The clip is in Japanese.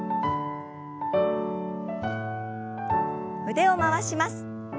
腕を回します。